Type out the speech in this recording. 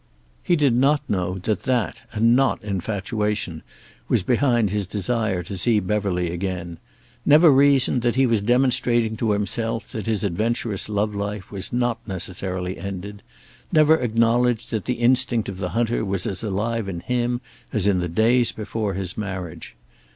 He did not know that that, and not infatuation, was behind his desire to see Beverly again; never reasoned that he was demonstrating to himself that his adventurous love life was not necessarily ended; never acknowledged that the instinct of the hunter was as alive in him as in the days before his marriage.